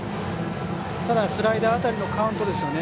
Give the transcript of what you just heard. ただ、スライダー辺りのカウントですよね。